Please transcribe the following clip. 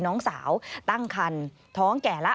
น้องสาวตั้งคันท้องแก่แล้ว